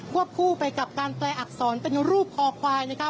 พวกผู้ไปกับการแปลอักษรเป็นรูปคอควาย